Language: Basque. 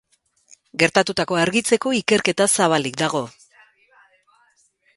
Gertatutakoa argitzeko ikerketa zabalik dago.